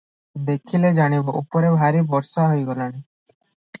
ଦେଖିଲେ ଜାଣିବ, ଉପରେ ଭାରି ବର୍ଷା ହୋଇଗଲାଣି ।